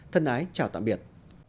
thân ái chào tạm biệt